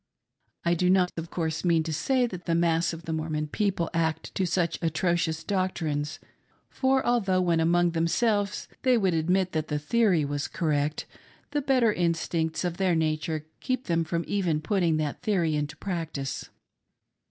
I do not, of course, mean to say that the mass of the Mormon people act up to such atrocious doctrines ; for 312 THE BLOOD ATONEMENT, ^though, when among themselves, they would admit that the theory was correct, the better instincts of their nature keep them from even putting that theory into practice.